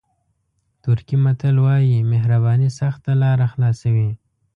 ترکي متل وایي مهرباني سخته لاره خلاصوي.